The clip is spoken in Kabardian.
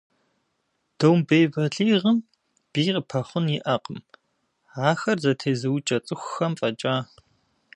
Домбей бэлигъым бий къыпэхъун иӏэкъым, ахэр зэтезыукӏэ цӏыхухэм фӏэкӏа.